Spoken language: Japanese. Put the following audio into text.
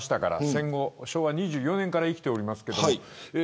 戦後、昭和２４年から生きておりますけども。